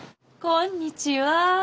こんにちは。